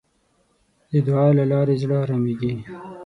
د دعا له لارې زړه آرامېږي.